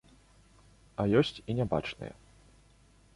А ёсць і нябачныя.